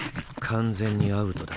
完全にアウトだ。